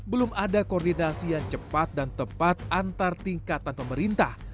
belum ada koordinasi yang cepat dan tepat antar tingkatan pemerintah